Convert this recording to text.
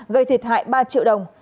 gây thiệt hại ba triệu đồng